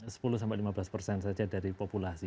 sepuluh sampai lima belas persen saja dari populasi